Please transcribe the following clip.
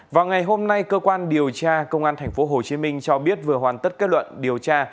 vào ngày hôm nay cơ quan điều tra công an tp hcm cho biết vừa hoàn tất kết luận điều tra